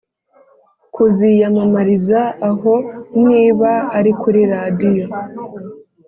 kuziyamamariza aho niba ari kuri radiyo